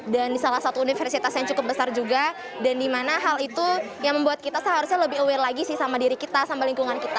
dan di salah satu universitas yang cukup besar juga dan di mana hal itu yang membuat kita seharusnya lebih aware lagi sih sama diri kita sama lingkungan kita